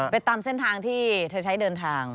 ไปตามเส้นทางที่เธอใช้เดินทาง